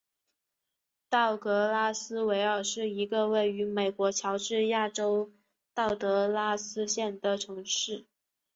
道格拉斯维尔是一个位于美国乔治亚州道格拉斯县的城市。